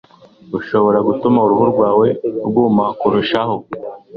bushobora gutuma uruhu rwawe rwuma kurushaho.